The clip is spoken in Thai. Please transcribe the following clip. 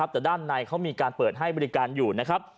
แต่ด้านในเขามีการเปิดให้บริการอยู่นะครับ